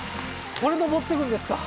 これ上っていくんですか？